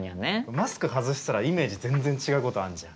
マスク外したらイメージ全然違うことあんじゃん。